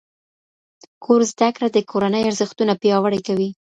کور زده کړه د کورنۍ ارزښتونه پیاوړي کوي.